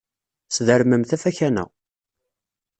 Sdermemt afakan-a.